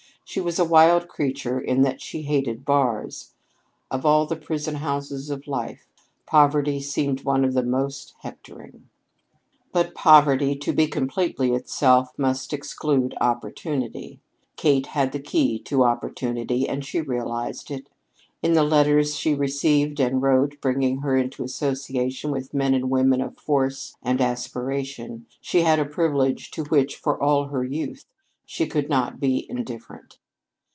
She was a wild creature in that she hated bars. Of all the prison houses of life, poverty seemed one of the most hectoring. But poverty, to be completely itself, must exclude opportunity. Kate had the key to opportunity, and she realized it. In the letters she received and wrote bringing her into association with men and women of force and aspiration, she had a privilege to which, for all of her youth, she could not be indifferent.